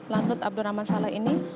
langut abdurrahman saleh ini